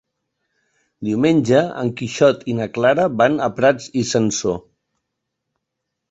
Diumenge en Quixot i na Clara van a Prats i Sansor.